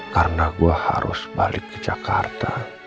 karena gua harus balik ke jakarta